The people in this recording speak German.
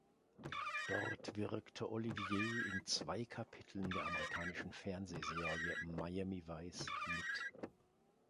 Dort wirkte Olivier in zwei Kapiteln der amerikanischen Fernsehserie "Miami Vice" mit.